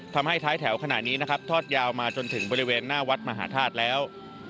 ทำให้ท้ายแถวขนาดนี้ทอดยาวมาจนถึงบริเวณหน้าวัดมหาธาตุแล้ว